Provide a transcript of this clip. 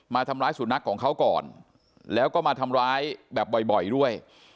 มาทำร้ายสุนัขของเขาก่อนแล้วก็มาทำร้ายแบบบ่อยด้วย